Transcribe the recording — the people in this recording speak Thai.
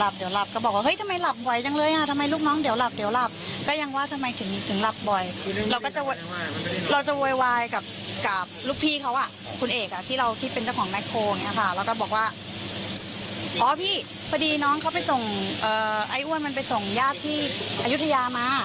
พี่พอดีน้องเขาไปส่งไอ้อ้วนมันไปส่งญาติที่อายุทยามา